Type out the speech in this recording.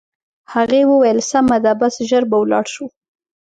هغې وویل: سمه ده، بس ژر به ولاړ شو.